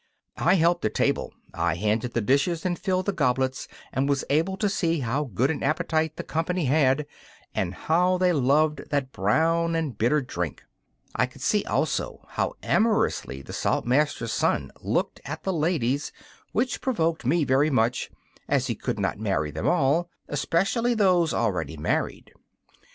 I helped at table. I handed the dishes and filled the goblets and was able to see how good an appetite the company had, and how they loved that brown and bitter drink. I could see also how amorously the Saltmaster's son looked at the ladies, which provoked me very much, as he could not marry them all, especially those already married.